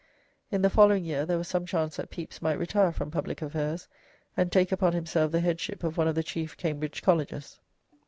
In the following year there was some chance that Pepys might retire from public affairs, and take upon himself the headship of one of the chief Cambridge colleges.